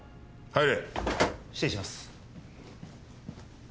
はい。